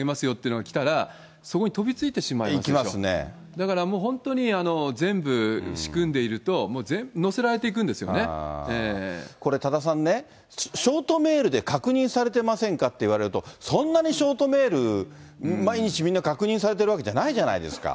だからもう、本当に全部仕組んでいると、乗せられていくんでこれ、多田さんね、ショートメールで確認されてませんかって言われると、そんなにショートメール、毎日みんな確認されてるわけじゃないじゃないですか。